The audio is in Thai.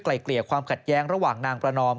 เกลี่ยความขัดแย้งระหว่างนางประนอม